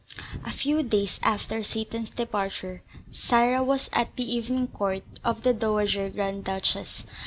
A few days after Seyton's departure, Sarah was at the evening court of the Dowager Grand Duchess.